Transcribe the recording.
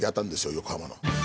横浜の。